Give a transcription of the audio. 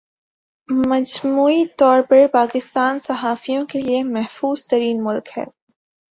مجموعی طور پر پاکستان صحافیوں کے لئے محفوظ ترین ملک ہے